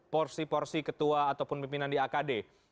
porsi porsi ketua ataupun pimpinan di akd